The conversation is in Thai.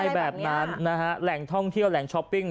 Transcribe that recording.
แบบนั้นนะฮะแหล่งท่องเที่ยวแหล่งช้อปปิ้ง